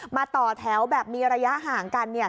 ต่อแถวแบบมีระยะห่างกัน